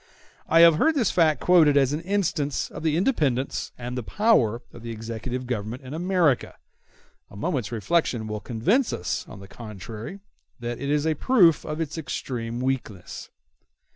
I have heard this fact quoted as an instance of the independence and the power of the executive government in America: a moment's reflection will convince us, on the contrary, that it is a proof of its extreme weakness.